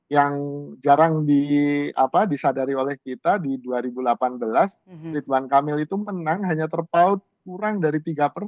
yang jarang disadari oleh kita di dua ribu delapan belas ridwan kamil itu menang hanya terpaut kurang dari tiga persen